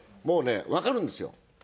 もうねわかるんですよ。